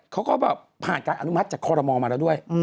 เขาก็ผ่านการอนุมัติจากคมมาแล้วด้วย